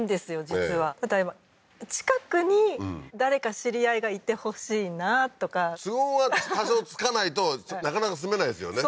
実は例えば近くに誰か知り合いがいてほしいなとか都合が多少つかないとなかなか住めないですよね